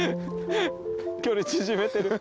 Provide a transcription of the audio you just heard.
距離縮めてる。